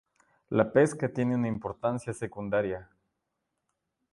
La pesca tiene una importancia secundaria.